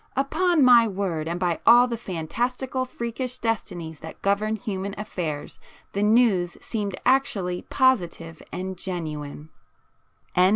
... Upon my word and by all the fantastical freakish destinies that govern human affairs, the news seemed actually positive and genuine!